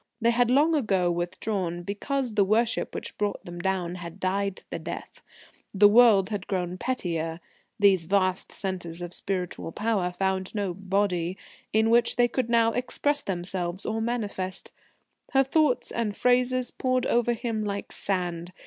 They had long ago withdrawn because the worship which brought them down had died the death. The world had grown pettier. These vast centres of Spiritual Power found no "Body" in which they now could express themselves or manifest.... Her thoughts and phrases poured over him like sand.